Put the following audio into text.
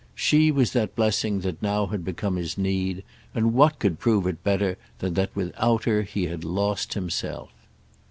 She was the blessing that had now become his need, and what could prove it better than that without her he had lost himself?